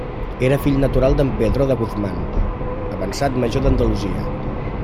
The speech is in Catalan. Era fill natural d'En Pedro de Guzmán, avençat major d'Andalusia.